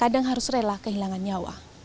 kadang harus rela kehilangan nyawa